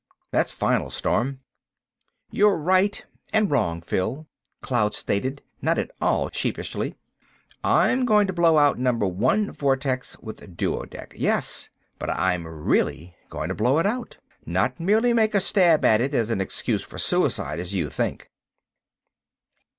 That's final, Storm." "You're right—and wrong, Phil," Cloud stated, not at all sheepishly. "I'm going to blow out Number One vortex with duodec, yes—but I'm really going to blow it out, not merely make a stab at it as an excuse for suicide, as you think."